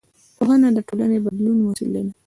پوهنه د ټولنې د بدلون وسیله ده